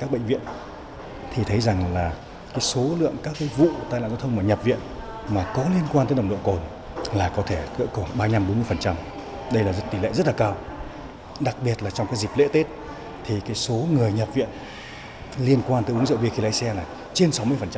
hai mươi năm bốn mươi đây là tỷ lệ rất là cao đặc biệt là trong cái dịp lễ tết thì cái số người nhập viện liên quan tới uống rượu bia khi lấy xe là trên sáu mươi